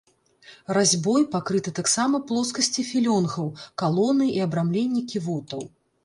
Разьбой пакрыты таксама плоскасці філёнгаў, калоны і абрамленні ківотаў.